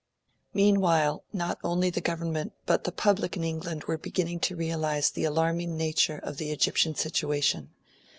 Meanwhile, not only the Government, but the public in England were beginning to realise the alarming nature of the Egyptian situation.